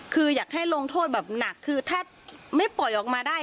คืออยากให้ลงโทษแบบหนักคือถ้าไม่ปล่อยออกมาได้